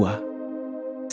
sekarang kubu kupu yang cantik